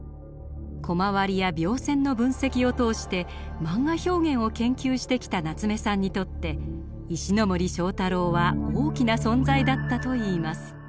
コマ割りや描線の分析を通してマンガ表現を研究してきた夏目さんにとって石森章太郎は大きな存在だったといいます。